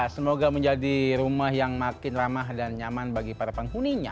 semoga menjadi rumah yang makin ramah dan nyaman bagi para penghuninya